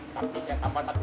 tapi saya tambah satu d